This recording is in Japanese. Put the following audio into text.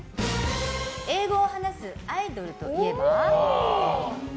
英語を話すアイドルといえば？